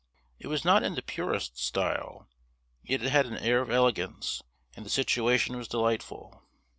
It was not in the purest style, yet it had an air of elegance, and the situation was delightful.